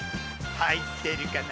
入ってるかな？